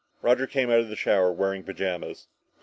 Roger came out of the shower wearing pajamas.